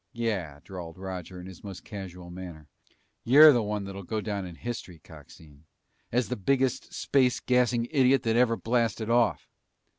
"Yeah," drawled Roger in his most casual manner. "You're the one that'll go down in history, Coxine, as the biggest space gassing idiot that ever blasted off!"